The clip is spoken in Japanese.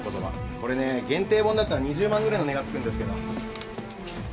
これね限定本だったら２０万ぐらいの値が付くんですけど。